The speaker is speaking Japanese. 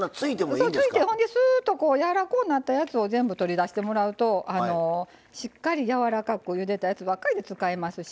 そう突いてスーッとやわらこうなったやつを全部取り出してもらうとしっかりやわらかくゆでたやつばっかりで使えますし。